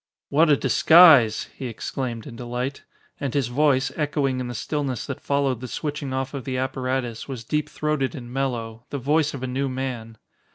"What a disguise!" he exclaimed in delight. And his voice, echoing in the stillness that followed the switching off of the apparatus, was deep throated and mellow the voice of a new man.